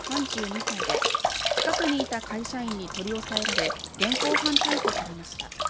３２歳で、近くにいた会社員に取り押さえられ、現行犯逮捕されました。